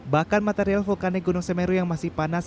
bahkan material vulkanik gunung semeru yang masih panas